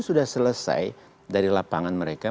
sudah selesai dari lapangan mereka